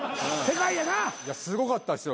すごかったですよ